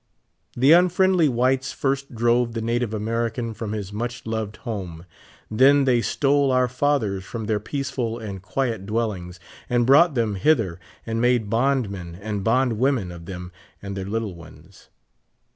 The unfriendly whites first drove the native American from his much loved home. Then thej^ stole our fathers from their peaceful and quiet dwellings, and brought them hither, and made bond men and bond women of them and their little ones.